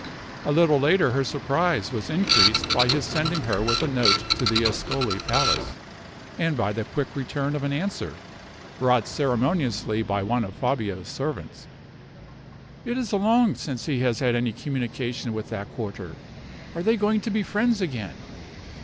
A little later her surprise was increased by his sending her with a note to the Ascoli Palace, and by the quick return of an answer, brought ceremoniously by one of Fabio's servants. "It is long since he has had any communication with that quarter. Are they going to be friends again?"